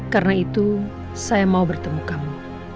karena itu saya mau bertemu kamu